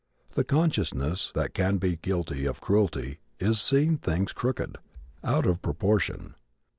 The consciousness that can be guilty of cruelty is seeing things crooked out of proportion.